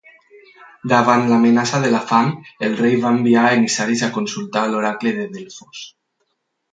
Davant l'amenaça de la fam el rei va enviar emissaris a consultar l'oracle de Delfos.